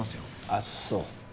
あっそう。